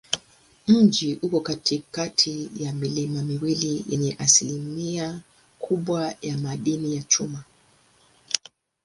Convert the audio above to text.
Mji uko katikati ya milima miwili yenye asilimia kubwa ya madini ya chuma.